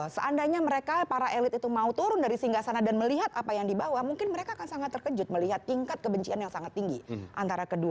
seandainya mereka para elit itu mau turun dari singgah sana dan melihat apa yang dibawa mungkin mereka akan sangat terkejut melihat tingkat kebencian yang sangat tinggi antara kedua